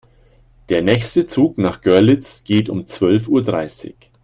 Der nächste Zug nach Görlitz geht um zwölf Uhr dreißig